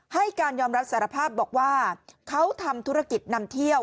ให้การยอมรับสารภาพบอกว่าเขาทำธุรกิจนำเที่ยว